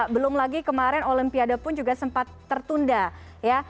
belum lagi kemarin olimpiade pun juga sempat tertunda ya